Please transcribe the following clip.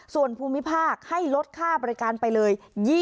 ส่วนภูมิภาคให้ลดค่าบริการไปเลย